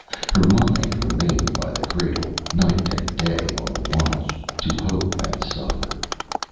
Her mind remained by the cradle, night and day on the watch, to hope and suffer.